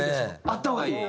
あった方がいい。